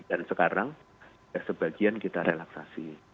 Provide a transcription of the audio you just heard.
dan sekarang sebagian kita relaksasi